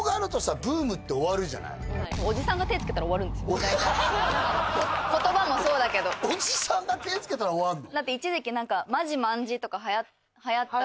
全部に言葉もそうだけどおじさんが手つけたら終わんの？